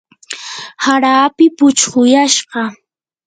hara api puchquyashqa.